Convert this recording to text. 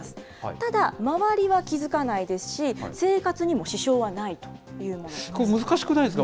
ただ、周りは気付かないですし、生活にも支障がないというもので難しくないですか？